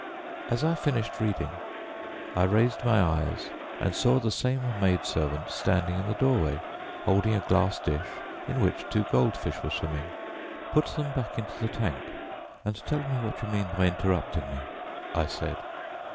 As I finished reading I raised my eyes and saw the same maid servant standing in the doorway holding a glass dish in which two gold fish were swimming: "Put them back into the tank and tell me what you mean by interrupting me," I said.